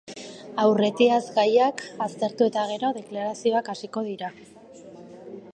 Aurretiazko gaiak aztertu eta gero, deklarazioak hasiko dira.